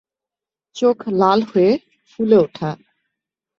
চোখ লাল হয়ে ফুলে উঠে।